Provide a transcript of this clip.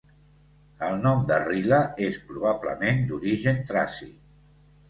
El nom de Rila és probablement d'origen traci.